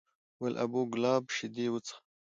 ول ابو کلاب شیدې وڅښه!